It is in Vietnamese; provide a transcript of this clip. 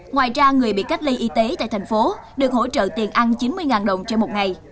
ngoài ra người bị cách ly y tế tại thành phố được hỗ trợ tiền ăn chín mươi đồng trên một ngày